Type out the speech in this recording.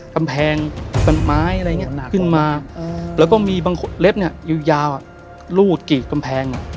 กำแพงต้นไม้อะไรอย่างนี้ขึ้นมาแล้วก็มีบางเล็บเนี่ยยาวรูดกรีดกำแพง